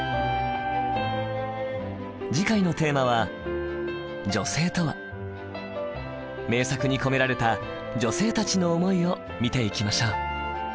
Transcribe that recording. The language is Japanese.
次回のテーマは名作に込められた女性たちの思いを見ていきましょう。